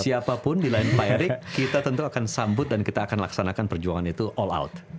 siapapun di lain pak erik kita tentu akan sambut dan kita akan laksanakan perjuangan itu all out